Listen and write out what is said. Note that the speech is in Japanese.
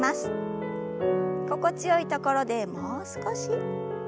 心地よいところでもう少し。